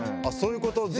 あっそういうこと？